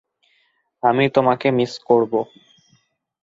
আমি তোমাকে মিস করব।